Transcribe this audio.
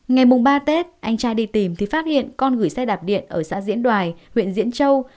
ngày mùng ba tết anh trai đi tìm thì phát hiện con gửi xe đạp điện ở xã diễn đoài huyện diễn châu